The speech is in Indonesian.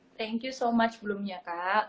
thank you so much sebelumnya kak